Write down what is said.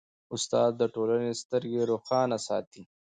استاد د ټولنې سترګې روښانه ساتي.